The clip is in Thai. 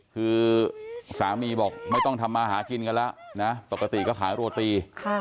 คือสามีบอกไม่ต้องทำมาหากินกันแล้วนะปกติก็ขายโรตี